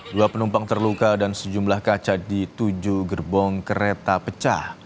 dua penumpang terluka dan sejumlah kaca di tujuh gerbong kereta pecah